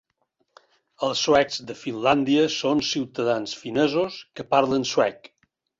Els Suecs de Finlàndia son ciutadans finesos que parlen suec.